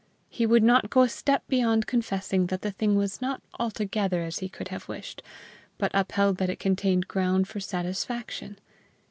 He would not go a step beyond confessing that the thing was not altogether as he could have wished, but upheld that it contained ground for satisfaction.